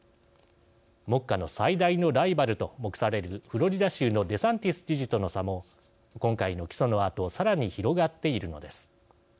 目下の最大のライバルと目されるフロリダ州のデサンティス知事との差も今回の起訴のあとさらに広がっているのです。